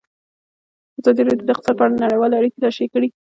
ازادي راډیو د اقتصاد په اړه نړیوالې اړیکې تشریح کړي.